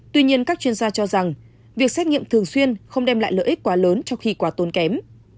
tuy nhiên các chuyên gia cho rằng việc xét nghiệm thường xuyên không đem lại lợi ích quá lớn trong khi quá tốn kém